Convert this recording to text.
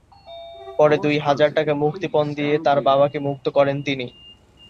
পরে দুই হাজার টাকা মুক্তিপণ দিয়ে তাঁর বাবাকে মুক্ত করেন তিনি।